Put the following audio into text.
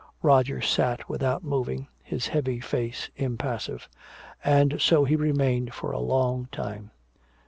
Roger sat without moving, his heavy face impassive. And so he remained for a long time.